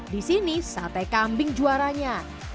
di sini sate kambing juaranya